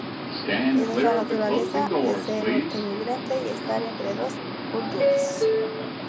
Esa es la naturaleza de ser un inmigrante y estar entre dos culturas".